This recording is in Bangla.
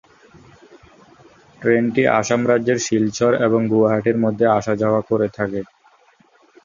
ট্রেনটি আসাম রাজ্যের শিলচর এবং গুয়াহাটির মধ্যে আসা যাওয়া করে থাকে।